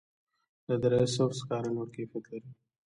د دره صوف سکاره لوړ کیفیت لري